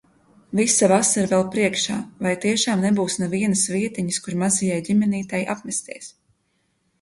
Visa vasara vēl priekšā, vai tiešām nebūs nevienas vietiņas, kur mazajai ģimenītei apmesties?